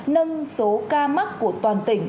nâng số ca mắc của toàn tỉnh